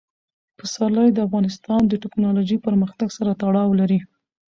پسرلی د افغانستان د تکنالوژۍ پرمختګ سره تړاو لري.